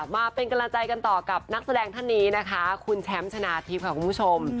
มาเป็นกำลังใจกันต่อกับนักแสดงท่านีคุณแชมป์ชนะทีพคุณผู้ชม